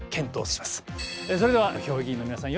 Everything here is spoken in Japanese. それでは評議員の皆さん